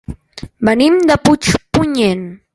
Venim de Puigpunyent.